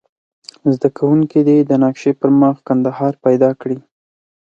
زده کوونکي دې د نقشې پر مخ کندهار پیدا کړي.